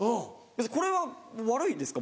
これは悪いですか？